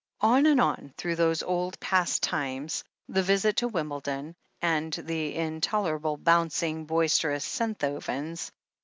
On and on through those old, past times — ^the visit to Wimbledon, and the intolerable, bouncing, boisterous Senthovens.